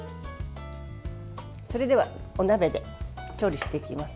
それではお鍋で調理していきます。